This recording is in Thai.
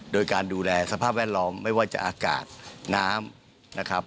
โดยการดูแลสภาพแวดล้อมไม่ว่าจะอากาศน้ำนะครับ